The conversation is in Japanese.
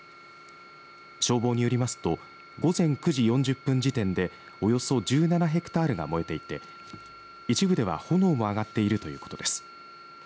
消防によりますと午前９時４０分時点でおよそ１７ヘクタールが燃えていて一部では炎も上がっているということです。